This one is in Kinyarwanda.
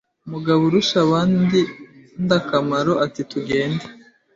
Mugaburushabandakamaro ati Tugende